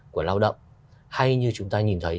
của lao động hay như chúng ta nhìn thấy